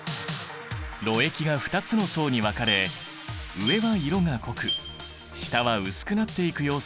ろ液が２つの層に分かれ上は色が濃く下は薄くなっていく様子が観察できる。